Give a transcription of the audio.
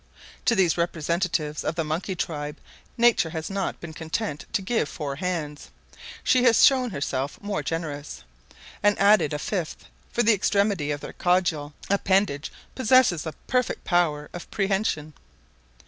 To these representatives of the monkey tribe nature has not been content to give four hands she has shown herself more generous, and added a fifth, for the extremity of their caudal appendage possesses a perfect power of prehension.